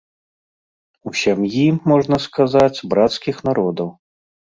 У сям'і, можна сказаць, брацкіх народаў.